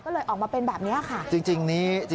ก็เลยออกมาเป็นแบบนี้ค่ะ